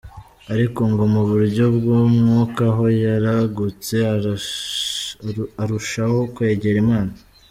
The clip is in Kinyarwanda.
Ariko ngo mu buryo bw’umwuka ho, yaragutse, arushaho kwegera Imana.